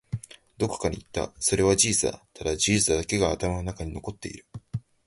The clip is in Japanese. どこかに行った。それは事実だ。ただ、事実だけが頭の中に残っている。